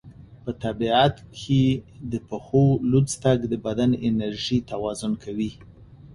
په طبیعت کې د پښو لوڅ تګ د بدن انرژي توازن کوي.